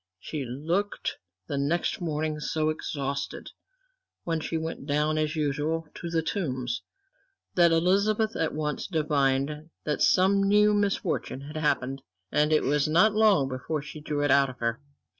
She looked the next morning so exhausted, when she went down as usual to The Tombs, that Elizabeth at once divined that some new misfortune had happened, and it was not long before she drew it out of her.